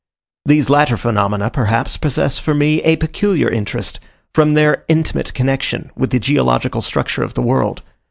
These latter phenomena, perhaps, possess for me a peculiar interest, from their intimate connection with the geological structure of the world.